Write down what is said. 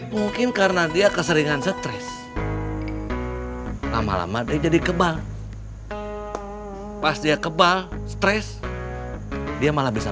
mungkin karena dia keseringan stres lama lama dia jadi kebal pas dia kebal stres dia malah bisa